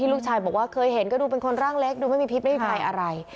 ลูกชายบอกว่าเคยเห็นก็ดูเป็นคนร่างเล็กดูไม่มีพิษไม่มีภัยอะไร